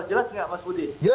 jelas nggak mas budi